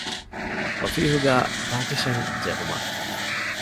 އޮފީހުގައި ޕާޓީޝަން ޖެހުމަށް